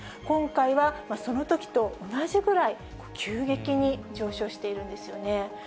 今回は、そのときと同じぐらい急激に上昇しているんですよね。